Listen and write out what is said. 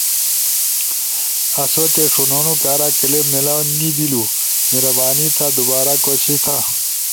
آسو تے ݜونونو کارا کلپ میلاؤ نی بیلو، مہربانی تھا دوبارا کوشش تھا۔